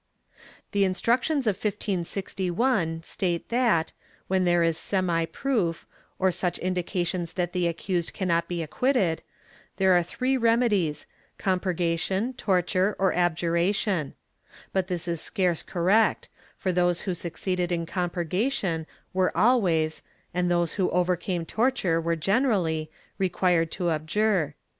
* The Instructions of 1561 state that, when there is semi proof, or such indications that the accused cannot be acquitted, there are three remedies, compurgation, torture or abjuration; but this is scarce correct, for those who succeeded in compurgation were always, and those who overcame torture were generally, required to abjure.